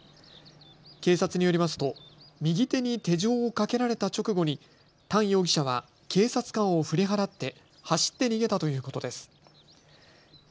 警察によりますと右手に手錠をかけられた直後にタン容疑者は警察官を振り払って走って逃げたということです。